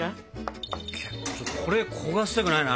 これ焦がしたくないな。